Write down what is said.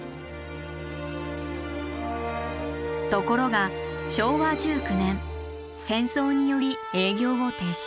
ところが昭和１９年戦争により営業を停止。